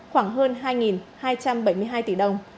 khoảng hơn hai hai trăm bảy mươi hai tỷ đồng